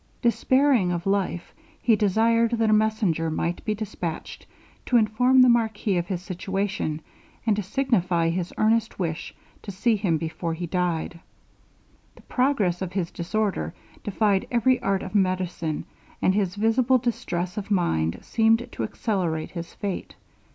Despairing of life, he desired that a messenger might be dispatched to inform the marquis of his situation, and to signify his earnest wish to see him before he died. The progress of his disorder defied every art of medicine, and his visible distress of mind seemed to accelerate his fate.